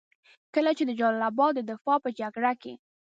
کله چې د جلال اباد د دفاع په جګړه کې.